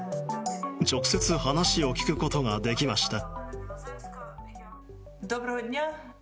直接話を聞くことができました。